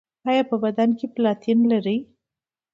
ایا په بدن کې پلاتین لرئ؟